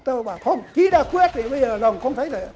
tôi bảo không chí đã khuyết thì bây giờ đồng không thấy lợi